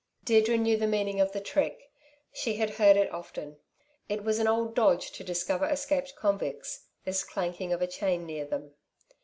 Deirdre knew the meaning of the trick. She had heard it often. It was an old dodge to discover escaped convicts, this clanking of a chain near them.